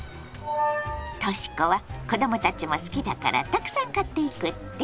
とし子は子供たちも好きだからたくさん買っていくって？